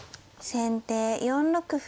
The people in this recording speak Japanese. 先手３六歩。